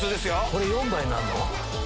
これ４倍になるの？